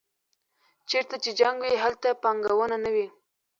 چېرته چې جنګ وي هلته پانګونه نه وي.